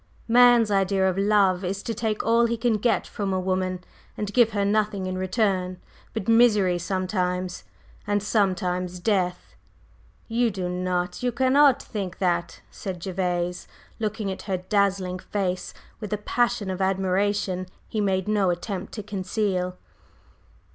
"Man's idea of love is to take all he can get from a woman, and give her nothing in return but misery sometimes, and sometimes death." "You do not, you cannot think that!" said Gervase, looking at her dazzling face with a passion of admiration he made no attempt to conceal.